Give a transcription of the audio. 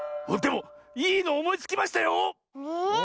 でもいいのおもいつきましたよ！え。